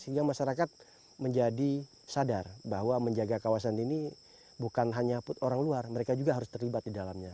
sehingga masyarakat menjadi sadar bahwa menjaga kawasan ini bukan hanya orang luar mereka juga harus terlibat di dalamnya